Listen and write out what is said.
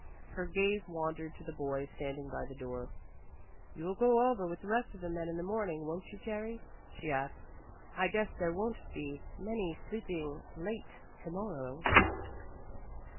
Her gaze wandered to the boy standing by the door. "You'll go over with the rest of the men in the morning, won't you, Jerry?" she asked. "I guess there won't be many sleeping late to morrow."